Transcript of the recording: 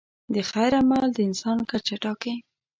د خیر عمل د انسان کچه ټاکي.